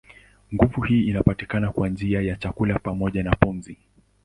Nguvu hii inapatikana kwa njia ya chakula pamoja na pumzi.